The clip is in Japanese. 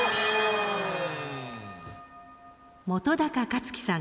本克樹さん